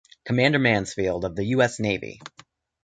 Commander Mansfield of the U. S. Navy.